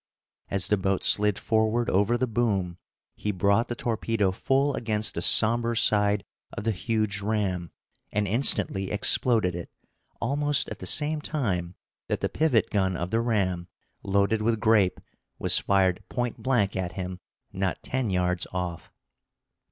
As the boat slid forward over the boom, he brought the torpedo full against the somber side of the huge ram, and instantly exploded it, almost at the same time that the pivot gun of the ram, loaded with grape, was fired point blank at him not ten yards off.